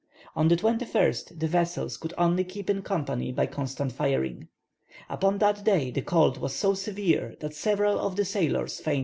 On the 21st, the vessels could only keep in company by constant firing. Upon that day the cold was so severe that several of the sailors fainted on deck.